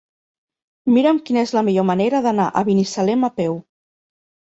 Mira'm quina és la millor manera d'anar a Binissalem a peu.